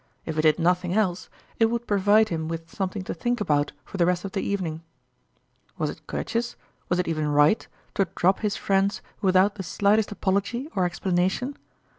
If it did nothing else, it would provide him with something to think about for the rest of the evening. Was it courteous, was it even right, to drop his friends without the slightest apology or explanation?